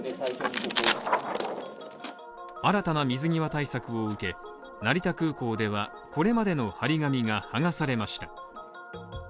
新たな水際対策を受け、成田空港では、これまでの張り紙がはがされました。